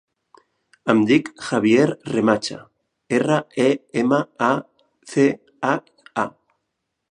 Em dic Javier Remacha: erra, e, ema, a, ce, hac, a.